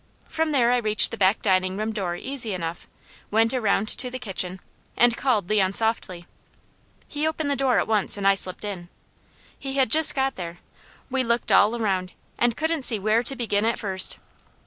From there I reached the back dining room door easy enough, went around to the kitchen, and called Leon softly. He opened the door at once and I slipped in. He had just got there. We looked all around and couldn't see where to begin at first.